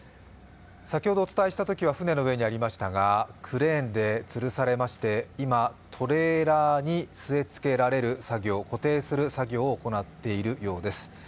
先ほどお伝えしたときは船の上にありましたがクレーンでつるされまして今、トレーラーに据えつけられる、固定する作業を行っているようです。